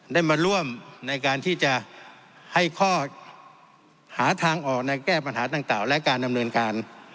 ได้มาร่วมในการที่จะให้ข้อหาทางออกในแก้ปัญหาต่างและการดำเนินการ